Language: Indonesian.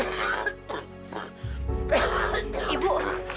ibu ibu sebenarnya ada apa sih bu